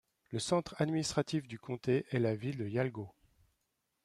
Le centre administratif du comté est la ville de Yalgoo.